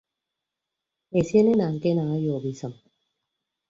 Esion enañ ke enañ ọyuup isịm.